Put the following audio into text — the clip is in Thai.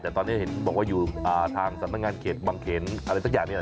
แต่ตอนนี้เห็นบอกว่าอยู่ทางสำนักงานเขตบางเขนอะไรสักอย่างเนี่ย